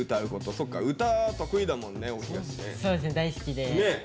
そうですね大好きで。